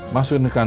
masukin ke kanan